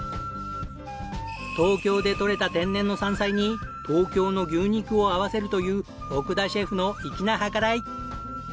東京で採れた天然の山菜に東京の牛肉を合わせるという奥田シェフの粋な計らい。